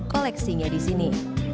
koleksinya di sini